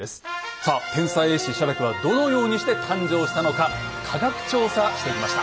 さあ天才絵師・写楽はどのようにして誕生したのか科学調査してきました。